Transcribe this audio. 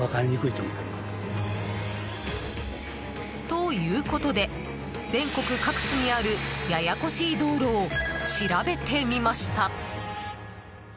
ということで、全国各地にあるややこしい道路を調べてみました。